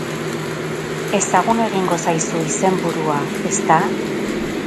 Ezagun egingo zaizu izenburua, ezta?